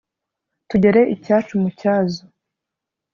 tugere icyacu mu cyazo